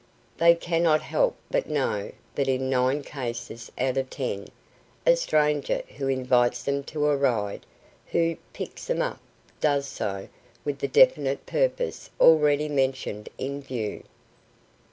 They cannot help but know that in nine cases out of ten, a stranger who invites them to a ride, who "picks" them up, does so with the definite purpose already mentioned in view.